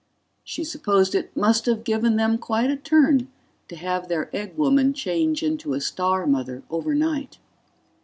She supposed it must have given them quite a turn to have their egg woman change into a star mother overnight.